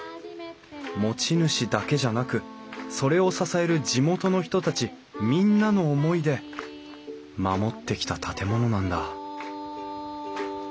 持ち主だけじゃなくそれを支える地元の人たちみんなの思いで守ってきた建物なんだ